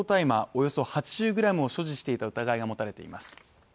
およそ８０ｇを所持していた疑いが持たれています。